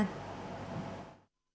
kinh tế phương nam